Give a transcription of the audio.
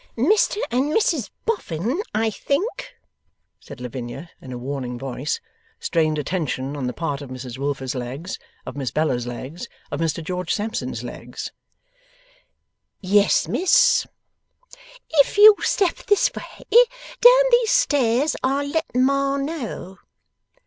'Mr and Mrs Boffin, I think?' said Lavinia, in a warning voice. Strained attention on the part of Mrs Wilfer's legs, of Miss Bella's legs, of Mr George Sampson's legs. 'Yes, Miss.' 'If you'll step this way down these stairs I'll let Ma know.